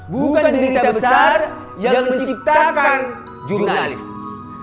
bukan berita besar yang menciptakan jurnalis